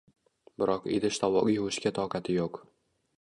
biroq idish-tovoq yuvishga toqati yo‘q.